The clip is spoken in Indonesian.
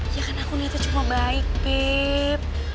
ya kan aku nyatanya cuma baik pip